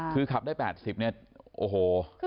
คือขับได้๘๐เนี่ยโอ้โห